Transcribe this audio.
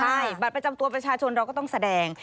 ใช่บัตรประจำตัวประชาชนเราก็ต้องแสดง